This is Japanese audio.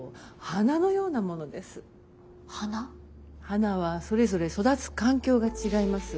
花はそれぞれ育つ環境が違います。